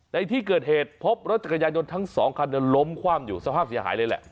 ในที่เกิดเหตุพบรถจักรยานยนต์ทั้งสองคันล้มคว่ำอยู่สภาพเสียหายเลยแหละ